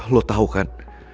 lo tau kan